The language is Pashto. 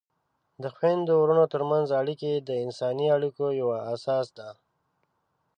د خویندو ورونو ترمنځ اړیکې د انساني اړیکو یوه اساس ده.